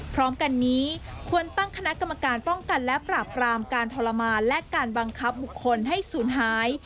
พร้อมกันนี้ควรตั้งคณะกรรมการป้องกันและปราบกรามการทรมานและการบังคับบุคคลให้ศูนย์หาย